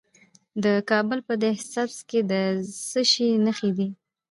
د کابل په ده سبز کې د څه شي نښې دي؟